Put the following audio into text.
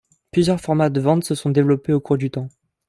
Plusieurs formats de vente se sont développés au cours du temps.